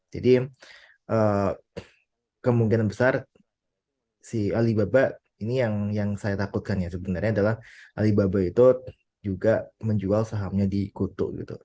jadi kemungkinan besar si alibaba ini yang saya takutkan sebenarnya adalah alibaba itu juga menjual sahamnya di gotoh